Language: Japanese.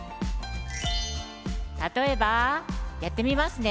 例えばやってみますね。